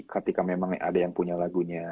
ketika memang ada yang punya lagunya